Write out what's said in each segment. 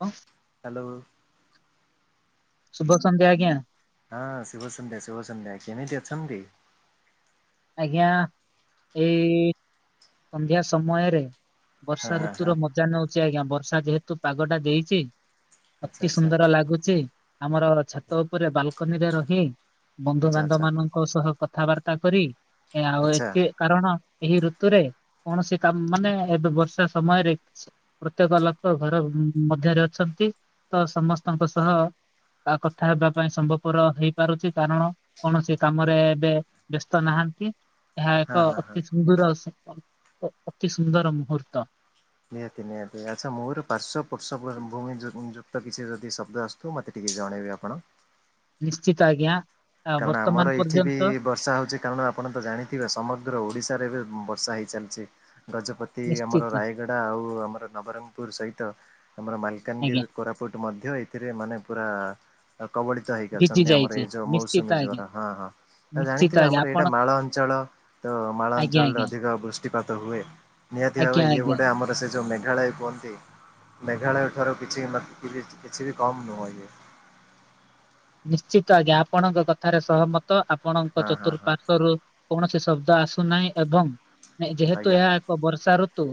ହ ହ୍ୟାଲୋ ଶୁଭ ସନ୍ଧ୍ୟା ଆଜ୍ଞା। ହଁ ଶୁଭସନ୍ଧ୍ୟା ଶୁଭସନ୍ଧ୍ୟା କେମିତି ଅଛନ୍ତି? ଆଜ୍ଞା ଏଇ ସନ୍ଧ୍ୟା ସମୟରେ ହଁ ବର୍ଷା ହଁ ହଁ ଋତୁୁର ମଧ ପୂଜା ନଉଛି ଆଜ୍ଞା ବର୍ଷା ଯେହେତୁ ପାଗ ଟା ଦେଇଛି ଆଚ୍ଛା ଅତି ଆଚ୍ଛା ସୁନ୍ଦର ଲାଗୁଚି। ଆମର ଛାତ ଉପରେ ବାଲକୁନି ରେ ରହି ଆଚ୍ଛା ବନ୍ଧୁବାନ୍ଧବ ଆଚ୍ଛା ମାନ ଙ୍କ ସହ କଥାବାର୍ତ୍ତା କରି ଆଉ ଆଚ୍ଛା ଏ କାରଣ ଏହି ଋତୁରେ କୌଣସି କାମ ମାନେ ଏବେ ବର୍ଷା ସମୟରେ ପ୍ରତ୍ୟେକ ଲୋକ ଘର ମଧ୍ୟରେ ଅଛନ୍ତି ତ ସମସ୍ତଙ୍କ ସହ ତା କଥା ହେବା ପାଇଁ ସମ୍ଭବପର ହେଇପାରୁଛି। କାରଣ କୌଣସି କାମରେ ଏବେ ବ୍ୟସ୍ତ ନାହାନ୍ତି। ଏହା ହଁ ଏକ ହଁ ହଁ ଅତି ସୁନ୍ଦୁର ଅତି ସୁନ୍ଦର ମୁହୂର୍ତ୍ତ। ନିହାତି ନିହାତି ଆଚ୍ଛା ମୋର ପାର୍ସ ପଶବ ଭଉଣୀ ଯୁ ପିଛେ କିଛି ଯଦି ଶବ୍ଦ ଆସ ତୁ ମତେ ଟିକେ ଜଣେଇବି ଆପଣ। ନିଶ୍ଚିତ ଆଜ୍ଞା। ଆ କାରଣ ବର୍ତ୍ତମାନ ଆମର ଏଇଠି ବି ପର୍ଯ୍ୟନ୍ତ ବର୍ଷା ହଉଚି। କାରଣ ଆପଣ ତ ଜାଣିଥିବେ ସମଗ୍ର ଓଡ଼ିଶାରେ ଏବେ ବର୍ଷା ହେଇଚାଲିଛି ଗଜପତି ଆମର ନିଶ୍ଚିତ ରାୟ ଗଡ଼ା ଆଉ ଆମର ନବରଙ୍ଗପୁର ସହିତ ଆମର ଆଜ୍ଞା ମାଲକାନଗିରି କୋରାପୁଟ ମଧ୍ୟ ଏଥିରେ ମାନେ ପୁରା କବଳିତ ହେଇକି ଭିଜି ଅଛନ୍ତି ଆମର ଯାଇଛି ଏଇ ଯୋଉ ମୋଉସ୍ ନିଶ୍ଚିତ ଆଜ୍ଞା। ସୁମିଟା ହଁ ହଁ ନିଶ୍ଚିତ ଜାଣିଥିବ ଆଜ୍ଞା ଆମର ଆପଣ ଏଇଟା ମାଳ ଅଞ୍ଚଳ ତ ମାଳ ଆଜ୍ଞା ଅଞ୍ଚଳରେ ଆଜ୍ଞା ଅଧି ଜ ବୃଷ୍ଟିପାତ ହୁଏ ନିହାତି ଆଜ୍ଞା ଭାବେ ଇଏ ଆଜ୍ଞା। ଗୋଟେ ଆମର ସେ ଯେଉଁ ମେଘାଳୟ କୁହନ୍ତି ମେଘାଳୟ ଠାରୁ କିଛି କିଛି ବି କମ୍ ନୁହେଁ ଇଏ। ନିଶ୍ଚିତ ଆଜ୍ଞା ଆପଣଙ୍କ କଥାରେ ସହମତ ଆପଣଙ୍କ ହଁ ହଁ ହଁ ଚତୁଃପାର୍ଶ୍ଵରୁ କୌଣସି ଶବ୍ଦ ଆସୁନାହିଁ। ଏବଂ ଯେହେତୁ ଆଜ୍ଞା ଏହା ଏକ ବର୍ଷା ଋତୁ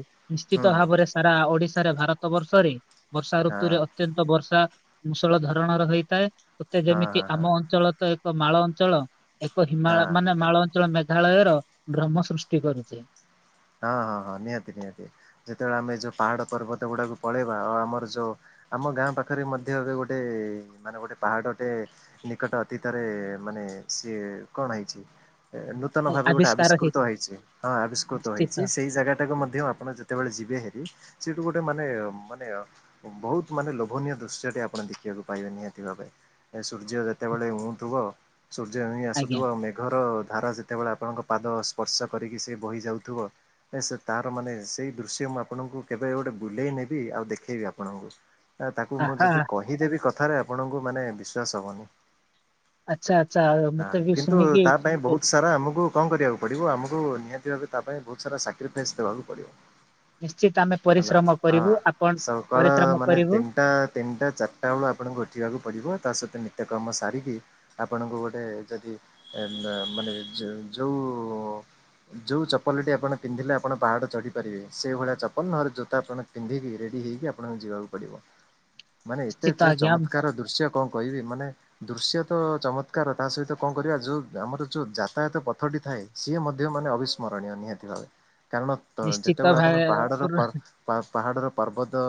ହୁଁ ନିଶ୍ଚିତ ହୁଁ ଭାବରେ ସାରା ଓଡିଶାରେ ଭାରତ ବର୍ଷରେ ବର୍ଷା ହଁ ଋତୁରେ ଅତ୍ୟନ୍ତ ବର୍ଷା ମୂଷଳ ଧରଣର ହେଇଥାଏ। ସତେ ହଁ ଯେମିତି ହଁ ହଁ। ଆମ ଅଞ୍ଚଳ ତ ଏକ ମାଳ ଅଞ୍ଚଳ। ଏକ ହିମାଳୟ ହଁ। ମାନେ ମାଳ ଅଞ୍ଚଳ ମେଘାଳୟର ଭ୍ରମ ସୃଷ୍ଟି କରୁଚି। ହଁ ହଁ ହଁ ନିହାତି ନିହାତି ଯେତେବେଳେ ଆମେ ଯୋଉ ପାହାଡ଼ ପର୍ବତ ଗୁଡାକୁ ପଳେଇବା ଆଉ ଆମର ଯୋଉ ଆମ ଗାଁ ପାଖରେ ମଧ୍ୟ ଏବେ ଗୋଟେ ମାନେ ଗୋଟେ ପାହାଡ ଟେ ନିକଟ ଅତୀତରେ ମାନେ ସିଏ କଣ ହେଇଚି ନୂ ତନ ଭାବେ ଗୋଟେ ଆବିଷ୍କାର ଆବିଷ୍କୃତ ହେଇଛି ହେଇଚି। ହଁ ଆବିଷ୍କୃତ ହେଇଚି ନିଶ୍ଚିତ ସେ ସେଇ ଜାଗା ଟାକୁ ମଧ୍ୟ ଆପଣ ଯେତେବେଳେ ଯିବେ ହେରି ସେଠୁ ଗୋଟେ ମାନେ ମାନେ ବହୁତ ମାନେ ଲୋଭନୀୟ ଦୃଶ୍ୟଟି ଆପଣ ଦେଖିବାକୁ ପାଇବେ ନିହାତି ଭାବରେ। ଏ ସୂର୍ଯ୍ୟ ଯେତେବେଳେ ଉଁ ଥିବ ସୂର୍ଯ୍ୟ ଉଇଁ ଆଜ୍ଞା ଆସୁଥିବ ଆଉ ମେଘର ଧାରା ସେ ତେବେଳେ ଆପଣଙ୍କ ପାଦ ସ୍ପର୍ଶ କରିକି ସେ ବହି ଯାଉଥିବ। ସେ ତାର ମାନେ ସେଇ ଦୃଶ୍ୟ ମୁଁ ଆପଣଙ୍କୁ କେବେ ଗୋଟେ ବୁଲେଇ ନେବି ଆଉ ଦେଖେଇବି ଆପଣଙ୍କୁ। ଆଉ ତାକୁ ମୁଁ ଆହା ଯଦି କହିଦେବି କଥାରେ ଆପଣଙ୍କୁ ମାନେ ବିଶ୍ୱାସ ହବନି। ଆଚ୍ଛା ଆଚ୍ଛା ମତେ ହାଁ ବି କିନ୍ତୁ ଶୁଣିକି ତା ପାଇଁ ଏ ବହୁତ ସାରା ଆମକୁ କଣ କରିବାକୁ ପଡ଼ିବ ଆମକୁ ନିହାତି ଭାବେ ତା ପାଇଁ ବହୂତ୍ ସାରା ସାକ୍ରିଫାଇସ୍ ଦବାକୁ ପଡ଼ିବ। ନିଶ୍ଚିତ ଆମେ ହେଲା ପରିଶ୍ରମ ହଁ କରିବୁ ଆପଣ ସକାଳ ପରିଶ୍ରମ ମାନେ କରିବୁ ତିନିଟା ତିନିଟା ଚାରଟା ବେଳୁ ଆପଣଙ୍କୁ ଉଠିବାକୁ ପଡ଼ିବ ତା ସହିତ ନିତ୍ୟକର୍ମ ସାରିକି ଆପଣଙ୍କୁ ଗୋଟେ ଯଦି ମାନେ ଯୋଉ ଯେଉଁ ଚପ୍ ଚପଲଟି ଆପଣ ପିନ୍ଧିଲେ ଆପଣ ପାହାଡ଼ଚଢ଼ିପାରିବେ ସେହିଭଳିଆ ଚପଲ ନହେଲେ ଜୋତା ଆପଣ ପିନ୍ଧିକି ରେଡ଼ି ହୋଇକି ଆପଣଙ୍କୁ ଯିବାକୁ ପଡିବ ମାନେ ଏତେ ନିଶ୍ଚିତ ସେ ଆଜ୍ଞା ଚମତ୍କାର ଦୃଶ୍ୟ କଣ କହିବି ମାନେ ଦୃଶ୍ୟ ତ ଚମତ୍କାର ତା ସହିତ କଣ କରିବା ଯୋଉ ଆମର ଯୋଉ ଯାତାୟାତ ପଥଟି ଥାଏ ସିଏ ମଧ୍ୟ ମାନେ ଅବିସ୍ମରଣୀୟ ନିହାତି ଭାବେ କାରଣ ନିଶ୍ଚିତ ଯେତେବେଳେ ଭା ଆପଣ ପାହାଡର ପୁର ପର୍ବ ପାହାଡ ପାହାଡ଼ର ପର୍ବତ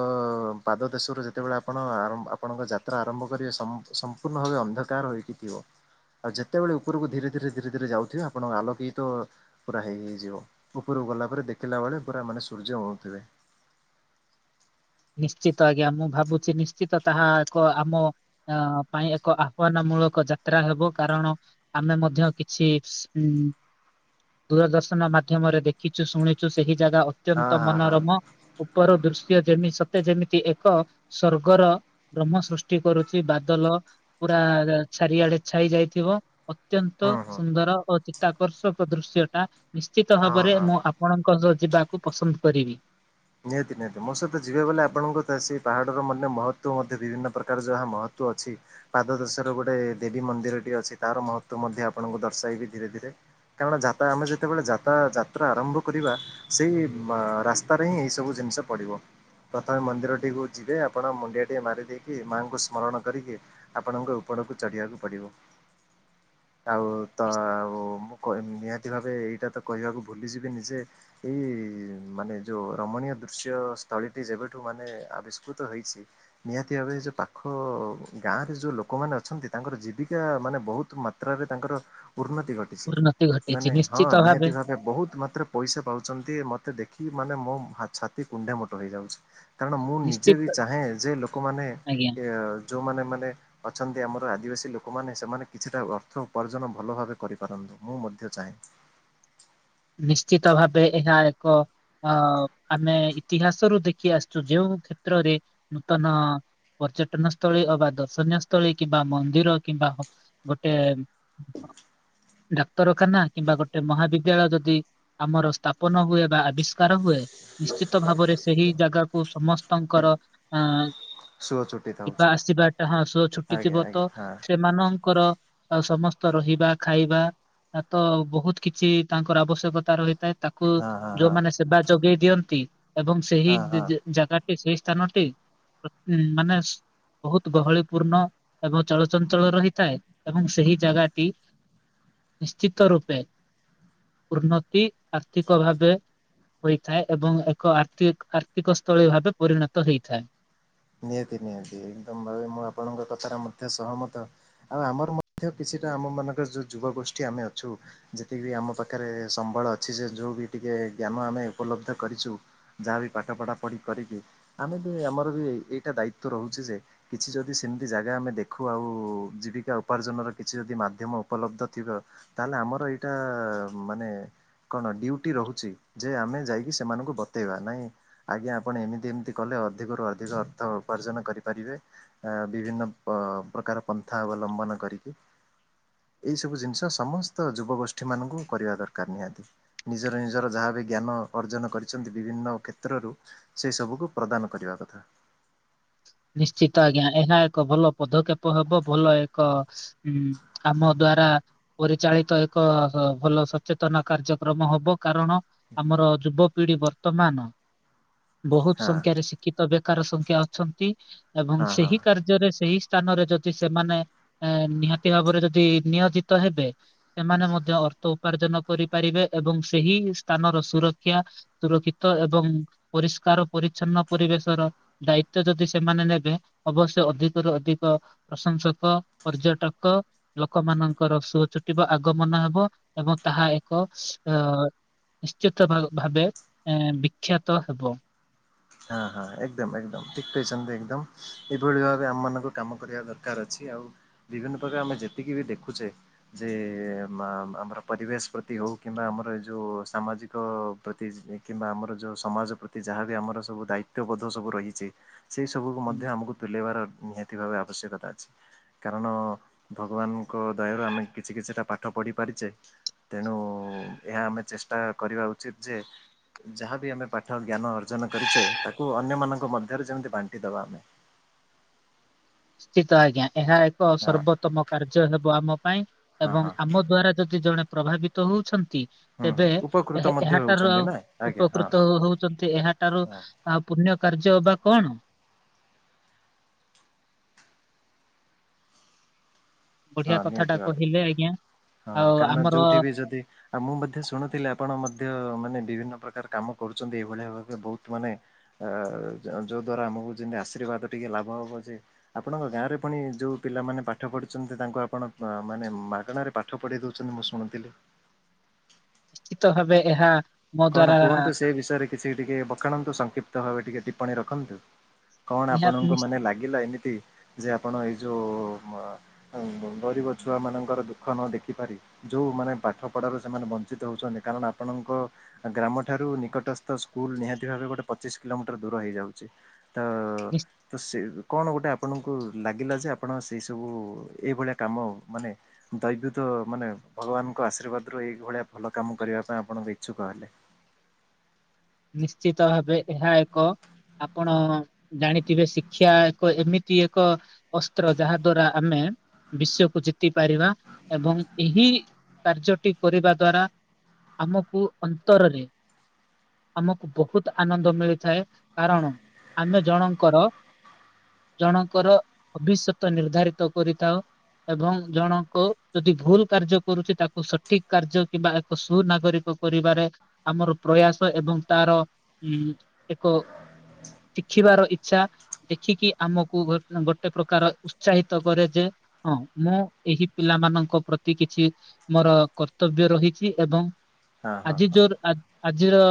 ପାଦ ଦେଶରୁ ଯେତେବେଳେ ଆପଣ ଆରମ୍ ଆପଣଙ୍କ ଯା ଯାତ୍ରା ଆରମ୍ଭ କରିବେ ସମ୍ପୂ ସର୍ମ୍ପର୍ଣ୍ଣ ଭାବେ ଅନ୍ଧକାର ହୋଇକି ଥିବ। ଆଉ ଯେତେବେଳେ ଉପରକୁ ଧୀରେ ଧୀରେ ଧୀରେ ଧୀରେ ଯାଉଥିବେ ଆପଣଙ୍କ ଆଲୋକ ହିତ ପୁରା ହେଇ ଯିବ ଉପରକୁ ଗଲା ପରେ ଦେଖିଲା ବେଳେ ପୁରା ମାନେ ସୂର୍ଯ୍ୟ ଉଁଥିବେ। ନିଶ୍ଚିତ ଆଜ୍ଞା ମୁଁ ଭାବୁଛି ନିଶ୍ଚିତ ତାହା ଏକ ଆମ ଅ ପାଇଁ ଏକ ଆହ୍ଵାନ ମୂଳକ ଯାତ୍ରା ହେବ। କାରଣ ଆମେ ମଧ୍ୟ କିଛି ଉ ଦୂରଦର୍ଶନ ମାଧ୍ୟମରେ ଦେଖିଛୁ ଶୁଣିଛୁ ସେହି ଜାଗା ଅ ହଁ ତ୍ୟନ୍ତ ହଁ ହଁ ମନୋରମ ଉପର ଦୃଶ୍ୟ ଯେ ତେ ଯେମିତି ଏକ ସ୍ୱର୍ଗର ବ୍ରହ୍ମ ସୃଷ୍ଟି କରୁଛି ବାଦଲ ପୁରା ଚାରିଆଡେ ଛାଇ ଯାଇଥିବ। ଅତ୍ୟନ୍ତ ହୁଁ ହୁଁ ସୁନ୍ଦର ଓ ଚିତ୍ତାକର୍ଷକ ଦୃଶ୍ୟ ଟା ନିଶ୍ଚିତ ହଁ ଭାବରେ ହଁ ମୁଁ ଆପ ଆପଣଙ୍କ ସହ ଯିବାକୁ ପସନ୍ଦ କରିବି। ନିହାତି ନିହାତି ମୋ ସହିତ ଯିବେ ବୋଲି ଆପଣଙ୍କ ତ ସେ ପାହାଡ଼ର ମଧ୍ୟ ମହତ୍ଵ ମଧ୍ୟ ବିଭିନ୍ନ ପ୍ରକାର ଯାହା ମହତ୍ଵ ଅଛି। ପାଦ ଦେଶର ଗୋଟେ ଦେବୀ ମନ୍ଦିର ଟି ଅଛି ତାର ମହତ୍ଵ ମଧ୍ୟ ଆପଣଙ୍କୁ ଦର୍ଶାଇବି ଧୀରେ ଧୀରେ। କାରଣ ଯାତା ଆମେ ଯେତେବେଳେ ଯାତା ଯାତ୍ରା ଆରମ୍ଭ କରିବା ସେଇ ରାସ୍ତା ପାଇଁ ଏଇ ସବୁ ଜିନିଷ ପଡିବ। ପ୍ରଥମେ ମନ୍ଦିରଟିକୁ ଯିବେ ଆପଣ ମୁଣ୍ଡିଆଟିଏ ମାରିଦେଇକି ମାଆଙ୍କୁ ସ୍ମରଣ କରିକି ଆପଣଙ୍କ ଉପରକୁ ଚଢିବାକୁ ପଡିବ ଆଉ ତ ଆଉ ନିହାତି ଭାବେ ଏଇଟା ତ କହିବାକୁ ଭୁଲିଯିବି ନିଜେ ଏଇ ମାନେ ଯେଉଁ ରମଣୀୟ ଦୃଶ୍ୟ ସ୍ଥଳୀଟି ଯେବେଠୁ ମାନେ ଆବିଷ୍କୃତ ହେଇଛି। ନିହାତି ଭାବେ ଯେଉଁ ପାଖ ଗାଁରେ ଯେଉଁ ଲୋକମାନେ ଅଛନ୍ତି ତାଙ୍କର ଜୀବିକା ମାନେ ବହୁତ ତାଙ୍କର ଉନ୍ନତି ଘଟିଛି ଉନ୍ନତି ଘଟିଛି ମାନେ ହଁ ନିଶ୍ଚିତ ନିହାତି ଭାବେ ବହୁତ ମାତ୍ରାରେ ପଇସା ପାଉଛନ୍ତି ମତେ ଦେଖି ମାନେ ମୋ ଛାତି କୁଢେ ମୋଟ ହେଇଯାଉଛି। କାରଣ ମୁଁ ନିଜେ ନିଶ୍ଚିତ ବି ଚାହେଁ ଯେ ଲୋକମାନେ ଆଜ୍ଞା। ଯେଉଁମାନେ ମାନେ ଅଛନ୍ତି ଆମର ଆଦିବାସୀ ଲୋକମାନେ ସେମାନେ କିଛିଟା ଅର୍ଥ ଉପାର୍ଜନ ଭଲ ଭାବେ କରିପାରନ୍ତୁ ମୁଁ ମଧ୍ୟ ଚାହେଁ। ନିଶ୍ଚିତ ଭାବେ ଏଟା ଏକ ଅ ଆମେ ଇତିହାସରୁୁ ଦେଖି ଆସିଛୁ ଯୋଉଁ କ୍ଷେତ୍ରରେ ନୂତନ ପର୍ଯ୍ୟଟନ ସ୍ଥଳୀ ଅବା ଦର୍ଶନୀୟ ସ୍ଥଳୀ କିମ୍ବା ମନ୍ଦିର କିମ୍ବା ଗୋଟେ ଡାକ୍ତରଖାନା କିମ୍ବା ଗୋଟେ ମହାବିଦ୍ୟାଳୟ ଜ ଯଦି ଆମର ସ୍ଥାପନ ହୁଏ ବା ଆବିଷ୍କାର ହୁଏ ନିଶ୍ଚିତ ଭାବରେ ସେହି ଜାଗା କୁ ସମସ୍ତଙ୍କର ଆ ସୁଅ ଛୁଟି ଯିବା ଥାଉଛି ଆସିବା ଟା ହଁ ସହ ଛୁଟି ଆଜ୍ଞା ଥିବ ତ ଆଜ୍ଞା ସେମାନଙ୍କର ଆଉ ସମସ୍ତ ରହିବା ଖାଇବା ତ ବହୁତ କିଛି ତାଙ୍କର ଆବଶ୍ୟକତା ରହିଥାଏ ତା କୁ ହଁ ହଁ ହଁ ହଁ ଯୋଉମାନେ ସେବା ଯୋଗେଇ ଦିଅନ୍ତି ଏବଂ ସେହି ହଁ ହଁ। ଜାଗା ସେଇ ସ୍ଥାନଟି ମାନେ ବହୁତ ଗହଳି ପୂର୍ଣ୍ଣ ଏବଂ ଚଳଚଞ୍ଚଳ ରହିଥାଏ ଏବଂ ସେହି ଜାଗାଟି ନିଶ୍ଚିତ ରୂପେ ଉନ୍ନତି ଆର୍ଥିକ ଭାବେ ହୋଇଥାଏ ଏବଂ ଏକ ଆର୍ଥ ଆର୍ଥିକ ସ୍ଥଳୀ ଭାବେ ପରିଣତ ହେଇଥାଏ। ନିହାତି ନିହାତି ଏକଦମ ଭାବେ ମୁଁ ଆପଣଙ୍କ କଥାରେ ମଧ୍ୟ ସହମତ। ଆଉ ଆମର ମଧ୍ୟ କିଛିଟା ଆମ ମାନଙ୍କର ଯୋଉ ଯୁବ ଗୋଷ୍ଠୀ ଆମେ ଅଛୁ ଯେତିକି ଆମ ପାଖରେ ସମ୍ବଳ ଅଛି ସେ ଯଉ ବି ଟିକେ ଜ୍ଞାନ ଆମେ ଉପଲବ୍ଧ କରିଛୁ ଯାହା ବିି ପାଠ ପଢା ପଢି କରିକି ଆମେ ବି ଆମର ବି ଏଇଟା ଦାୟିତ୍ୱ ରହୁଛି ଯେ କିଛି ଯଦି ସେମିତି ଜାଗା ଆମେ ଦେଖୁ ଆଉ ଜୀବିକା ଉପାର୍ଜନର କିଛି ଯଦି ମାଧ୍ୟମ ଉପଲବ୍ଧ ଥିବ ତାହେଲେ ଆମର ଏଇଟା ମାନେ କଣ ଡ୍ୟୁଟି ରହୁଛି ଯେ ଆମେ ଯାଇକି ସେମାନଙ୍କୁ ବତେଇବା ନାଇଁ ଆଜ୍ଞା ଆପଣ ଏମିତି ଏମିତି କଲେ ଅଧିକରୁୁ ଅଧିକ ଅର୍ଥ ଉପାର୍ଜନ କରିପାରିବେ। ବିଭିନ୍ନ ପ୍ରକାର ପନ୍ଥା ଅବଲମ୍ବନ କରିକି। ଏଇ ସବୁ ଜିନିଷ ସମସ୍ତ ଯୁବଗୋଷ୍ଠୀ ମାନଙ୍କୁ କରିବା ଦରକାର ନିହାତି। ନିଜର ନିଜର ଯାହା ବି ଜ୍ଞାନ ଅର୍ଜନ କରିଛନ୍ତି ବିଭିନ୍ନ କ୍ଷେତ୍ରରୁ ସେ ସବୁକୁ ପ୍ରଦାନ କରିବା କଥା। ନିଶ୍ଚିତ ଆଜ୍ଞା ଏହା ଏକ ଭଲ ପଦକ୍ଷେପ ହବ ଭଲ ଏକ ହୁଁ ଆମ ଦ୍ଵାରା ପରିଚାଳିତ ଏକ ଭଲ ସଚେତନ କାର୍ଯ୍ୟକ୍ରମ ହବ କାରଣ ଆମର ଯୁବ ପିଢି ବର୍ତ୍ତମାନ ବହୁତ ହଁ ସଂଖ୍ୟାରେ ଶିକ୍ଷିତ ବେକାର ସଂଖ୍ୟା ଅଛନ୍ତି। ଏବଂ ହଁ ହଁ। ସେହି କାର ଯ୍ୟରେ ଯଦି ସେହି ସ୍ଥାନରେ ଯଦି ସେମାନେ ଏ ନିହାତି ଭାବରେ ଯଦି ନିୟୋଜିତ ହେବେ। ସେମାନେ ମଧ୍ୟ ଅର୍ଥ ଉପାର୍ଜନ କରିପାରିବେ ଏବଂ ସେହି ସ୍ଥାନର ସୁରକ୍ଷା ସୁରକ୍ଷିତ ଏବଂ ପରିଷ୍କାର ପରିଚ୍ଛନ୍ନ ପରିବେଶର ଦାୟି ତ୍ଵ ଯଦି ସେମାନେ ନେବେ ଅବଶ୍ୟ ଅଧିକରୁୁ ଅଧିକ ପ୍ରଶଂସକ, ପର୍ଯ୍ୟଟକ ଲୋକମାନାନଙ୍କର ଶୋଚ୍ କିବା ଆଗମନ ହବ ଏବଂ ତାହା ଏକ ଅ ନିଶ୍ଚିତ ଭାବେ ବିଖ୍ୟାତ ହେବ। ହଁ ହଁ ଏକଦମ ଏକଦମ ଠିକ୍ କହିଚନ୍ତି ଏକଦମ। ଏଭଳି ଭାବେ ଆମ ମାନଙ୍କୁ କାମ କରିବା ଦରକାର ଅଛି ଆଉ ବିଭିନ୍ନ ପ୍ରକାର ଆମେ ଯେତିକି ବି ଦେଖୁଚେ ଯେ ମା ଆମର ପରିବେଶ ପ୍ରତି ହଉ କିମ୍ବା ଆମର ଏ ଯଉ ସାମାଜିକ ପ୍ରତି କିମ୍ବା ଆମର ଯଉଁ ସମାଜ ପ୍ରତି ଯାହା ରେ ଆମର ସବୁ ଦାୟିତ୍ବ ବୋଧ ସବୁ ରହିଚି ସେଇ ସବୁକୁ ମଧ୍ୟ ଆମକୁ ତୁଲେଇବାର ନିହାତି ଭାବେ ଆବଶ୍ୟକତା ଅଛି। କାରଣ ଭଗବାନଙ୍କ ଦୟାରୁ ଆମେ କିଛି କିଛିଟା ପାଠ ପଢ଼ିପାରିଚେ। ତେଣୁ ଏହା ଆମେ ଚେଷ୍ଟା କରିବା ଉଚିତ ଯେ ଯାହାବି ଆମେ ପାଠ ଜ୍ଞାନ ଅର୍ଜନ କରିଚେ ତାକୁ ଅନ୍ୟ ମାନଙ୍କ ମଧ୍ୟରେ ଯେମିତି ବାଣ୍ଟି ଦବା ଆମେ। ନିଶ୍ଚିତ ଆଜ୍ଞା ଏହା ହଁ ସର୍ବୋତ୍ତମ କାର୍ଯ୍ୟ ହେବ ଆମ ପାଇଁ ହଁ ଏବଂ ହଁ ଆମ ଦ୍ଵାରା ଯଦି ଜଣେ ପ୍ରଭାବିତ ତ ହଉଛନ୍ତି। ହୁଁ ହୁଁ ତେବେ ଉପକୃତ ଏହା ମଧ୍ୟ ଏହାଠାରୁ ହେଉଛନ୍ତି ଆଉ ନା ଆଜ୍ଞା ହଁ। ଉପକୃତ ହଉଚନ୍ତି ଏହାଠାରୁ ହଁ ଆଉ ପୁଣ୍ୟ କାର୍ଯ୍ୟ ଅବା କଣ? ବଢିଆ ହଁ ନିହାତି କଥାଟା ଭାବେ କହିଲେ ଆଜ୍ଞା। ହଁ ଆଉ କାରଣ ଆମର ଯୋଉଠି ବି ଯଦି ଆଉ ମୁଁ ମଧ୍ୟ ଶୁଣୁଥିଲି ଆପଣ ମଧ୍ୟ ମାନେ ବିଭିନ୍ନ ପ୍ରକାର କାମ କରୁଚନ୍ତି ଏଇଭଳିଆ ଭାବେ ବହୁତ ମାନେ ଅ ଅ ଯଉଦ୍ଵାରା ଆମକୁ ଯେମିତି ଆଶୀର୍ବାଦ ଟିକିେ ଲାଭ ହେବ ଯେ ଆପଣଙ୍କ ଗାଁରେ ପୁଣି ଯୋଉ ପିଲାମାନେ ପାଠ ପଢ଼ୁଚନ୍ତି ତାଙ୍କୁ ଆପଣ ମାନେ ମାଗଣାରେ ପାଠ ପଢେଇ ଦଉଚନ୍ତି ମୁଁ ଶୁଣଥିଲି। ନିଶ୍ଚିତ ଭାବେ ଏହା ମୋ କଣ ଦ୍ଵାରା କୁହନ୍ତୁ ସେ ବିଷୟରେ କିଛି ଟିକେ ବଖାଣନ୍ତୁ ସଂକ୍ଷିପ୍ତ ଭାବେ ଟିକେ ଟିପ୍ପଣୀ ରଖନ୍ତୁ। କଣ ନିହାତି ଆପଣଙ୍କୁ ନିଶ୍ଚି ମାନେ ଲାଗିଲା ଏମିତି ଯେ ଆପଣ ଏଇ ଯୋଉ ଗରିବ ଛୁଆ ମାନଙ୍କର ଦୁଃଖ ନ ଦେଖିପାରି ଯଉଁମାନେ ପାଠ ପଢ଼ାରୁ ସେମାନେ ବଞ୍ଚିତ ହଉଚନ୍ତି କାରଣ ଆପଣଙ୍କ ଗ୍ରାମ ଠାରୁ ନିକଟସ୍ଥ ସ୍କୁଲ ନିହାତି ଭାବେ ଗୋଟେ ପଚିଶ କିଲୋମିଟର ଦୂର ହେଇଯାଉଚି। ତ ତ ସେ କଣ ଗୋଟେ ଆପଣଙ୍କୁ ଲାଗିଲା ଯେ ଆପଣ ସେଇ ସବୁ ଏଇଭଳିଆ କାମ ମାନେ ଦୈବ୍ୟତ ମାନେ ଭଗବାନଙ୍କ ଆଶୀର୍ବାଦରୁୁ ଏଇଭଳିଆ ଭଲ କାମ କରିବା ପାଇଁ ଆପଣଙ୍କ ଇଚ୍ଛୁକ ହେଲେ। ନିଶ୍ଚିତ ଭାବେ ଏହା ଏକ ଆପଣ ଜାଣିଥିବେ ଶିକ୍ଷା ଏକ ଏମିତି ଏକ ଅସ୍ତ୍ର ଯାହା ଦ୍ଵାରା ଆମେ ବିଶ୍ଵକୁ ଜିତି ପାରିବା ଏବଂ ଏହି କାର୍ଯ୍ୟଟି କରିବା ଦ୍ଵାରା ଆମକୁ ଅନ୍ତରରେ ଆମକୁ ବହୁତ ଆନନ୍ଦ ମିଳିଥାଏ କାରଣ ଆମେ ଜଣଙ୍କର ଜଣଙ୍କର ଭବିଷ୍ୟତ ନିର୍ଦ୍ଧାରିତ କରିଥାଉ। ଏବଂ ଜଣଙ୍କ ଯଦି ଭୁଲ କାର୍ଯ୍ୟ କରୁଚି ତାକୁ ସଠିକ କାର୍ଯ୍ୟ କିମ୍ବା ସୁନାଗରିକ କରିବାରେ ଆମର ପ୍ରୟାସ ଏବଂ ତାର ଉ ଏକ ଶିଖିବାର ଇଚଛା ଦେଖିକି ଆମକୁ ଗୋଟ୍ ଗୋଟେ ପ୍ରକାର ଉତ୍ସାହିତ କରେ ଯେ ହଁ ମୁଁ ଏହି ପିଲାମାନଙ୍କ ପ୍ରତି କିଛି ମୋର କର୍ତ୍ତବ୍ୟ ରହିଚି ଏବଂ ହଁ ହଁ ଆଜି ହଁ ଯୋର ଆଜିର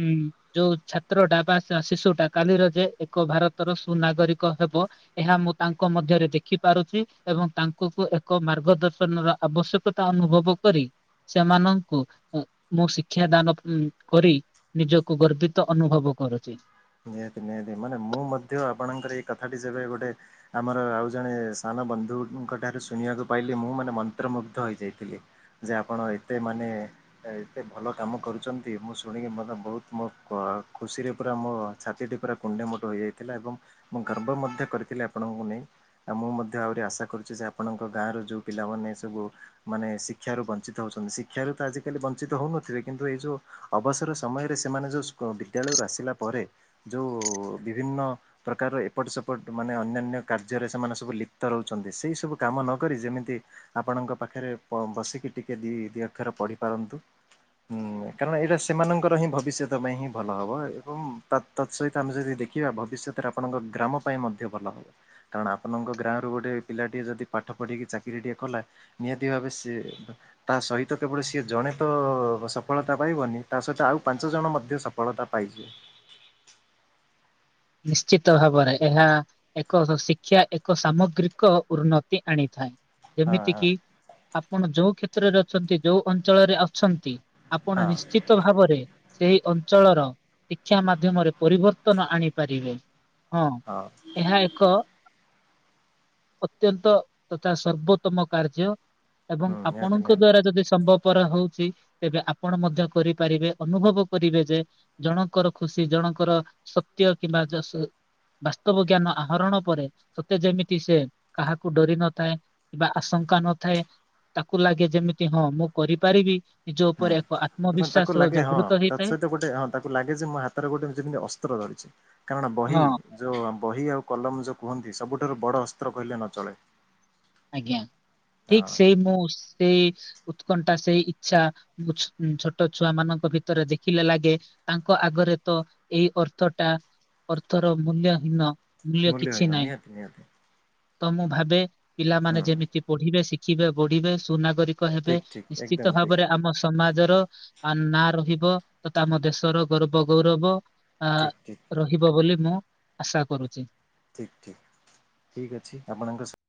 ହୁଁ। ଯୋଉ ଛାତ୍ରଟା ବା ଶିଶୁଟା କାଲିର ଯେ ଏକ ଭାରତର ସୁନାଗରିକ ହେବ ଏହା ମୁଁ ତାଙ୍କ ମଧ୍ୟରେ ଦେଖି ପାରୁଚି ଏବଂ ତାଙ୍କୁଙ୍କୁ ଏକ ମାର୍ଗଦର୍ଶନର ଆବଶ୍ୟକ ତା ଅନୁଭବ କରି ସେମାନଙ୍କୁ ମୁ ମୁଁ ଶିକ୍ଷା ଦାନ କରି ନିଜକୁ ଗର୍ବିତ ଅନୁଭବ କରୁଚି। ନିହାତି ନିହାତି ମାନେ ମୁଁ ମଧ୍ୟ ଆପଣଙ୍କର ଏଇ କଥାଟି ଯେବେ ଗୋଟେ ଆମର ଆଉ ଜଣେ ସାନ ବନ୍ଧୁଙ୍କ ଠାରୁ ଶୁଣିବାକୁ ପାଇଲି ମୁଁ ମାନେ ମନ୍ତ୍ରମୁଗ୍ଧ ହୋଇଯାଇଥିଲି। ଯେ ଆପଣ ଏତେ ମାନେ ଏତେ ଭଲ କାମ କରୁଚନ୍ତି ମୁଁ ଶୁଣିକି ମତେ ବହୁତ ମୋ ଖୁସିରେ ପୁରା ମୋ ଛାତିଟି ପୁରା କୁଣ୍ଡେ ମୋଟ ହୋଇଯାଇଥିଲା ଏବଂ ମୁଁ ଗର୍ବ ମଧ୍ୟ କରିଥିଲି ଆପଣଙ୍କୁ ନେଇ। ଆଉ ମୁଁ ମଧ୍ୟ ଆହୁରି ଆଶା କରୁଛି ଯେ, ଆପଣଙ୍କ ଗାଁର ଯେଉଁ ପିଲାମାନେ ସବୁ ମାନେ ଶିକ୍ଷାରୁ ବଞ୍ଚିତ ହଉଛନ୍ତି, ଶିକ୍ଷାରୁ ତ ଆଜିିକାଲି ବଞ୍ଚିତ ହଉନଥିବେ କିନ୍ତୁ ଏଇ ଯୋଉ ଅବସର ସମୟରେ ସେମାନେ ଯେଉଁ ବିଦ୍ୟାଳୟରୁ ଆସିଲା ପରେ, ଯେଉଁ ବିଭିନ୍ନ ପ୍ରକାରର ଏପଟ ସେପଟ ମାନେ ଅନ୍ୟାନ୍ୟ କାର୍ଯ୍ୟରେ ସେମାନେ ସବୁ ଲିପ୍ତ ରହୁଛନ୍ତି, ସେଇ ସବୁ କାମ ନକରି ଯେମିତି ଆପଣଙ୍କ ପାଖରେ ବସିକି ଟିକେ ଦି ଦିଇ ଅକ୍ଷର ପଢି ପାରନ୍ତୁ। ହୁଁ, କାରଣ ଏଇଟା ସେମାନଙ୍କର ହିଁ ଭବିଷ୍ୟତ ପାଇଁ ହିଁ ଭଲ ହବ ଏବଂ ତତ୍ ତତ୍ ସହିତ ଆମେ ଯଦି ଦେଖିବା ଭବିଷ୍ୟତରେ ଆପଣଙ୍କ ଗ୍ରାମ ପାଇଁ ମଧ୍ୟ ଭଲ ହବ। କାରଣ ଆପଣଙ୍କ ଗାଁରୁ ଗୋଟଏ ପିଲାଟିଏ ଯଦି ପାଠ ପଢ଼ିକି ଚାକିରିଟିଏ କଲା ନିହାତି ଭାବେ ସେ ତା ସହିତ କେବଳ ସିଏ ଜଣେ ତ ସଫଳତା ପାଇବନି, ତା ସହିତ ଆଉ ପାଞ୍ଚ ଜଣ ମଧ୍ୟ ସପ ଫଳତା ପାଇଯିବେ। ନିଶ୍ଚିତ ଭାବରେ ଏହା ଏକ ସ ଶିକ୍ଷା ଏକ ସାମଗ୍ରିକ ଉନ୍ନତି ଆଣିଥାଏ। ହଁ ଯେମିତି ହଁ କିି ଆପଣ ଯୋଉ କ୍ଷେତ୍ରରେ ଅଛନ୍ତି ଯୋଉ ଅଞ୍ଚଳରେ ଅଛନ୍ତି ଆପଣ ହଁ ନିଶ୍ଚିତ ଭାବରେ ସେହି ଅଞ୍ଚଳର ଶିକ୍ଷା ମାଧ୍ୟମରେ ପରିବର୍ତ୍ତନ ଆଣି ପାରିବେ, ହଁ ଏହା ଏକ ଅତ୍ୟନ୍ତ ତଥା ସର୍ବୋତ୍ତମ କାର୍ଯ୍ୟ। ଏବଂ ହୁଁ ନିହାତି ଆପଣଙ୍କ ନିହାତି ଦ୍ଵାରା ଯଦି ସମ୍ଭବ ର ହଉଛି, ତେବେ ଆପଣ ମଧ୍ୟ କରିପାରିବେ ଅନୁଭବ କରିବେ ଯେ ଜଣଙ୍କର ଖୁସି, ଜଣଙ୍କର ସତ୍ୟ କିମ୍ବା ଜସ ବାସ୍ତବ ଜ୍ଞାନ ଆହରଣ ପରେ, ସତେ ଯେମିତି ସେ କାହାକୁ ଡରି ନଥାଏ। କିବା ଆଶଙ୍କା ନଥାଏ, ତାକୁ ଲାଗେ ଯେମିତି ହଁ ମୁଁ କରିପାରିବି। ନିଜ ହୁଁ। ଉପରେ ଏକ ଏବଂ ତାକୁ ଆତ୍ମବିଶ୍ୱାସର ଲାଗେ ହଁ ଜାଗୃତ ତା ହେଇଥାଏ। ସହିତ ଗୋଟେ ହଁ ତାକୁ ଲାଗେ ଯେ ମୋ ହାତରେ ଗୋଟେ ଯେମିତି ଅସ୍ତ୍ର ଧରିଛି। କାରଣ ବହି ହଁ ଯେଉଁ ବହି ଆଉ କଲମ ଯେଉଁ କୁହନ୍ତି, ସବୁଠାରୁ ବଡ଼ ଅସ୍ତ୍ର କହିଲେ ନ ଚଳେ। ଆଜ୍ଞା, ଠିକ୍ ହଁ ସେଇ ମୁଁ ସେଇ ଉତ୍କଣ୍ଠା ସେଇ ଇଛା, ଛୋଟ ଛୁଆ ମାନଙ୍କ ଭିତରେ ଦେଖିଲେ ଲାଗେ ତାଙ୍କ ଆଗରେ ତ ଏଇ ଅର୍ଥଟା, ଅର୍ଥର ମୂଲ୍ୟ ହୀନ। ମୂଲ୍ୟ କିଛି ମୂଲ୍ୟହୀନ ନାହିଁ, ନିହାତି ନିହାତି ତ ମୁଁ ଭାବେ ପିଲାମାନେ ହୁଁ ଯେମିତି ପଢିବେ, ଶିକ୍ ଶିଖିବେ, ବଢିବେ, ସୁନାଗରିକ ହେବେ ଠିକ୍ ଠିକ୍। ଏକଦମ ନିଶ୍ଚିତ ଠିକ୍ ଭାବରେ ଆମ ସମାଜର ନାଁ ରହିବ ତଥା ଆମ ଦେଶର ଗର୍ବ ଗୌରବ। ଆ ଠିକ୍ ଠିକ୍ ରହିବ ବୋଲି ମୁଁ ଆଶା କରୁଛି। ଠିକ୍ ଠିକ୍। ଠିକ୍ ଅଛି ଆପଣଙ୍କ ସ